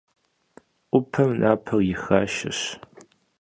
'Upem naper yi xaşşeş.